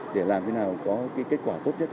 để làm thế nào có kết quả tốt nhất